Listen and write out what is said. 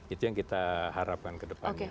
itu yang kita harapkan ke depannya